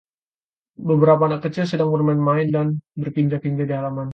beberapa anak kecil sedang bermain-main dan berkinja-kinja di halaman